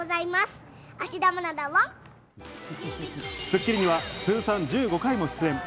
『スッキリ』には通算１５回も出演。